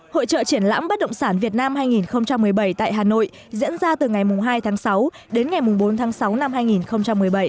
hội trợ triển lãm bất động sản việt nam hai nghìn một mươi bảy tại hà nội diễn ra từ ngày hai tháng sáu đến ngày bốn tháng sáu năm hai nghìn một mươi bảy